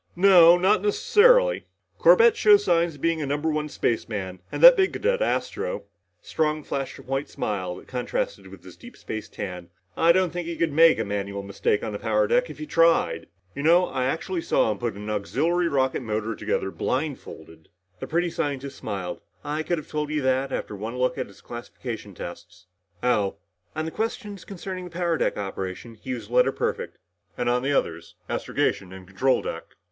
"No not necessarily. Corbett shows signs of being a number one spaceman. And that big cadet, Astro" Strong flashed a white smile that contrasted with his deep space tan "I don't think he could make a manual mistake on the power deck if he tried. You know, I actually saw him put an auxiliary rocket motor together blindfolded!" The pretty scientist smiled. "I could have told you that after one look at his classification tests." "How?" "On questions concerning the power deck operations, he was letter perfect " "And on the others? Astrogation and control deck?"